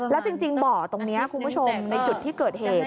แล้วจริงบ่อตรงนี้คุณผู้ชมในจุดที่เกิดเหตุ